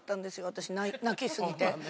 私泣きすぎて。